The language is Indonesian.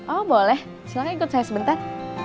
oh boleh silahkan ikut saya sebentar